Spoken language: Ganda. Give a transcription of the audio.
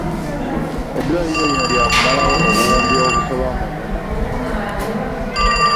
Eddwaliro lino lyakumalawo obuwumbi obusoba mu buna.